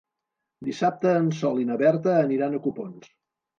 Dissabte en Sol i na Berta aniran a Copons.